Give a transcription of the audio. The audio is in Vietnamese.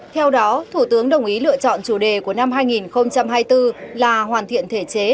theo đó thủ tướng đồng ý lựa chọn chủ đề của năm hai nghìn hai mươi bốn là hoàn thiện thể chế